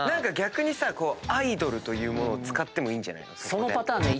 逆にアイドルというものを使ってもいいんじゃないの？